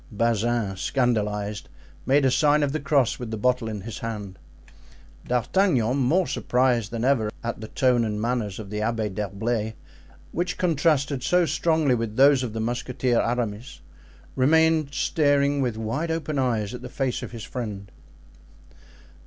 Bazin, scandalized, made a sign of the cross with the bottle in his hand. D'Artagnan, more surprised than ever at the tone and manners of the Abbé d'Herblay, which contrasted so strongly with those of the Musketeer Aramis, remained staring with wide open eyes at the face of his friend.